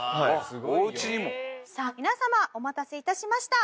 さあ皆様お待たせいたしました。